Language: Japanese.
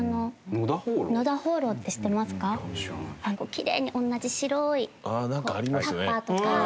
きれいに同じ白いタッパーとか。